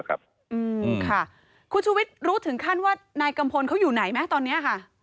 คุณช่อวิทย์รู้ถึงขั้นว่านายกำพลเขาอยู่ไหนตอนนี้